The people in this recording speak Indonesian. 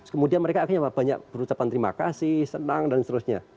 kemudian mereka akhirnya banyak berucapan terima kasih senang dan seterusnya